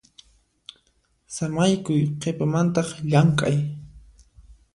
Samaykuy qhipamantaq llamk'ay.